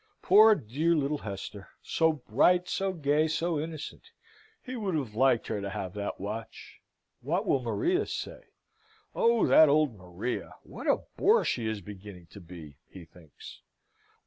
Poor dear little Hester! so bright, so gay, so innocent! he would have liked her to have that watch. What will Maria say? (Oh, that old Maria! what a bore she is beginning to be! he thinks.)